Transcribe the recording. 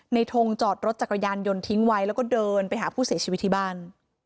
ทงจอดรถจักรยานยนต์ทิ้งไว้แล้วก็เดินไปหาผู้เสียชีวิตที่บ้าน